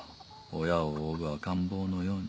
親を追う赤ん坊のように。